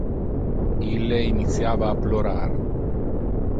Ille initiava a plorar.